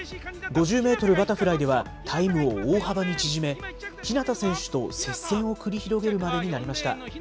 ５０メートルバタフライではタイムを大幅に縮め、日向選手と接戦を繰り広げるまでになりました。